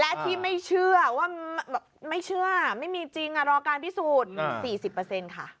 และที่ไม่เชื่อว่าไม่เชื่อไม่มีจริงรอการพิสูจน์๔๐ค่ะ